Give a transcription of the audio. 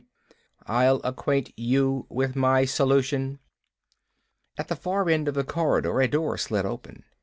"I'll acquaint you with my solution." At the far end of the corridor a door slid open.